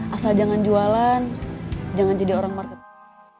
asal jangan jualan jangan jadi orang marketplace